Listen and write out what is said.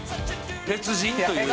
別人という。